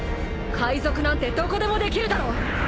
海賊なんてどこでもできるだろ。